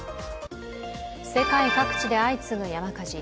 世界各地で相次ぐ山火事。